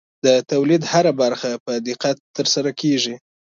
د تولید هره برخه په دقت ترسره کېږي.